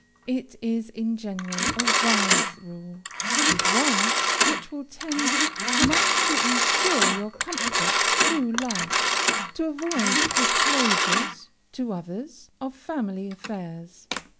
It is, in general, a wise rule, and one which will tend much to insure your comfort through life, to avoid disclosures to others of family affairs.